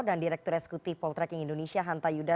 dan direktur esekutif poltreking indonesia hanta yudha